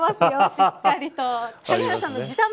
しっかりと。